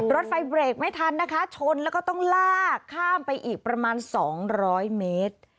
รถไฟเบรกไม่ทันนะคะชนแล้วก็ต้องลากข้ามไปอีกประมาณ๒๐๐เมตร